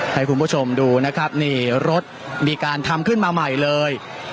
ให้คุณผู้ชมดูนะครับนี่รถมีการทำขึ้นมาใหม่เลย